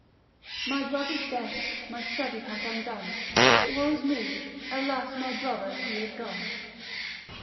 My brother's death my study hath undone, Woe's me, alas my brother he is gone.